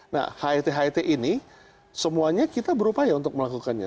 nah het het ini semuanya kita berupaya untuk melakukannya